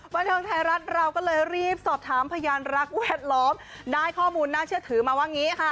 บันเทิงไทยรัฐเราก็เลยรีบสอบถามพยานรักแวดล้อมได้ข้อมูลน่าเชื่อถือมาว่างี้ค่ะ